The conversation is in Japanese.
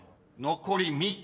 ［残り３つ］